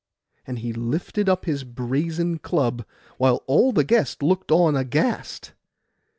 And he lifted up his brazen club, while all the guests looked on aghast.